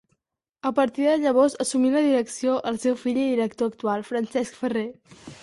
A partir de llavors assumí la direcció el seu fill i director actual, Francesc Ferrer.